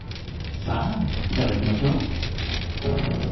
さあいただきましょう。